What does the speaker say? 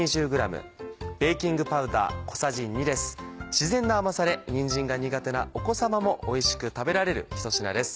自然な甘さでにんじんが苦手なお子さまもおいしく食べられる一品です。